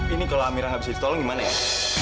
ini kalau amira nggak bisa ditolong gimana ya